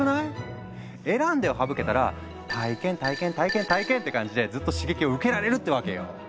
「選んで」を省けたら「体験」「体験」「体験」「体験」って感じでずっと刺激を受けられるってわけよ。